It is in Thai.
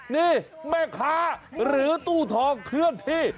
นี่แม่ค้าหรือตู้ทองเคลื่อนที่